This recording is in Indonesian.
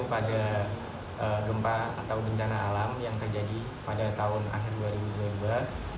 pada gempa atau bencana alam yang terjadi pada tahun akhir dua ribu dua puluh dua